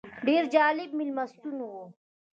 ډېر جالب مېلمستون و.